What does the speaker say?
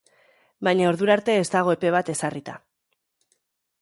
Baina ordura arte ez dago epe bat ezarrita.